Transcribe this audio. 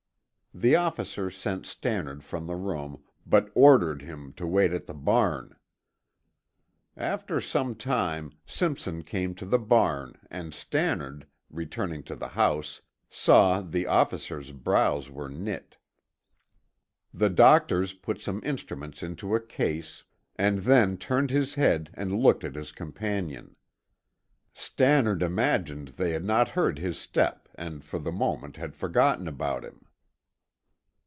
The officer sent Stannard from the room, but ordered him to wait at the barn. After some time Simpson came to the barn and Stannard, returning to the house, saw the officer's brows were knit. The doctor put some instruments into a case and then turned his head and looked at his companion. Stannard imagined they had not heard his step and for the moment had forgotten about him.